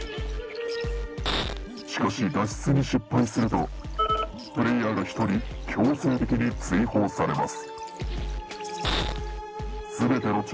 しかし脱出に失敗するとプレイヤーが１人強制的に追放されます。